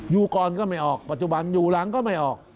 อยู่ก่อนก็ไม่ออกปัจจุบันอยู่หลังก็ไม่ออก